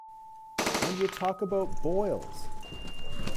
And you talk about boils!